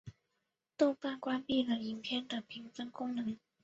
豆瓣关闭了影片的评分功能。